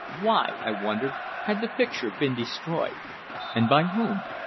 Why, I wondered, had the picture been destroyed and by whom?